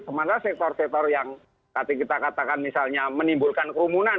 sementara sektor sektor yang tadi kita katakan misalnya menimbulkan kerumunan